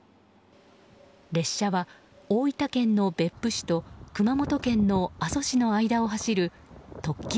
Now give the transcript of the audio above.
列車は大分県の別府市と熊本県の阿蘇市の間を走る特急